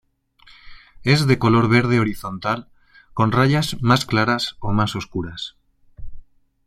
Es de color verde horizontal con rayas más claras o más oscuras.